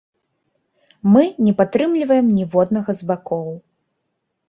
Мы не падтрымліваем ніводнага з бакоў.